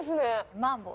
マンボウ？